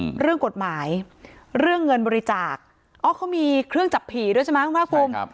เรื่องกฎหมายเรื่องเงินบริจาคอ๋อเขามีเครื่องจับผีด้วยใช่ไหมคุณภาคภูมิครับ